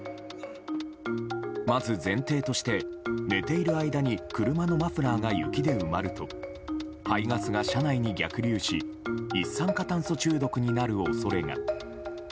まず前提として、寝ている間に車のマフラーが雪で埋まると排ガスが車内に逆流し一酸化炭素中毒になる恐れが。